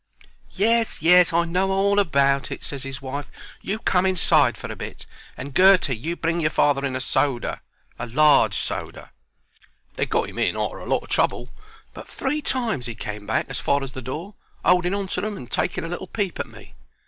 "Yes, yes; I know all about it," ses 'is wife. "You come inside for a bit; and, Gertie, you bring your father in a soda a large soda." They got 'im in arter a lot o' trouble; but three times 'e came back as far as the door, 'olding on to them, and taking a little peep at me.